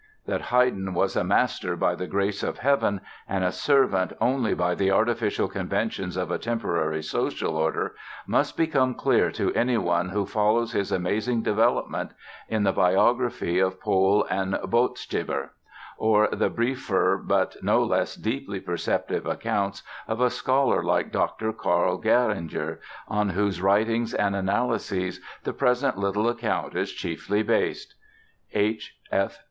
That Haydn was a master by the grace of Heaven and a servant only by the artificial conventions of a temporary social order must become clear to anyone who follows his amazing development in the biography of Pohl and Botstiber, or the briefer but no less deeply perceptive accounts of a scholar like Dr. Karl Geiringer, on whose writings and analyses the present little account is chiefly based. H.